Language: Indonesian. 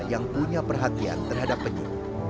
yang punya perhatian terhadap penyu